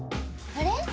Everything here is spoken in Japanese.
あれ？